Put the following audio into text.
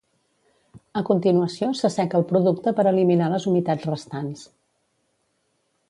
A continuació s'asseca el producte per eliminar les humitats restants.